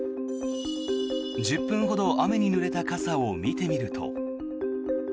１０分ほど雨にぬれた傘を見てみると。